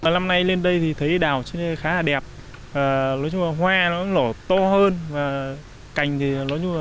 lâm nay lên đây thì thấy đào trên đây khá là đẹp nói chung là hoa nó lỏ to hơn và cành thì nói chung là